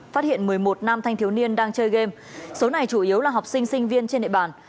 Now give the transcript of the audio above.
phát hiện một mươi một nam thanh thiếu niên đang chơi game số này chủ yếu là học sinh sinh viên trên địa bàn